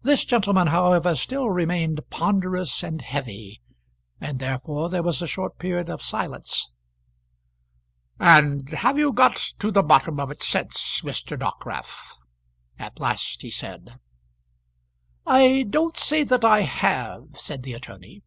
That gentleman, however, still remained ponderous and heavy, and therefore there was a short period of silence "And have you got to the bottom of it since, Mr. Dockwrath?" at last he said. "I don't say that I have," said the attorney.